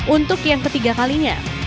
untuk yang ketiga kalinya